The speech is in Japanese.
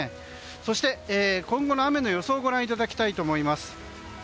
そして、今後の雨の予想をご覧いただきたいと思います。